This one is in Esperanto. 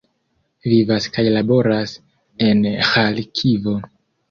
Vivas kaj laboras en Ĥarkivo.